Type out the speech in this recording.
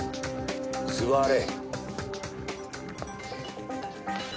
座れ！